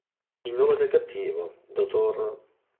Il nome del cattivo, Dr.